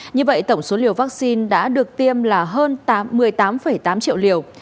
như vậy tổng số liều vaccine đã được tiêm là hơn một mươi tám tám triệu liều